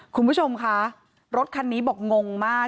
คุณผู้ชมคะรถคันนี้บอกงงมาก